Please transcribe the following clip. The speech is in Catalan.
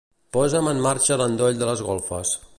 Posa'm en marxa l'endoll de les golfes.